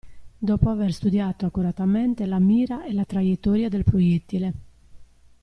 Dopo aver studiato accuratamente la mira e la traiettoria del proiettile.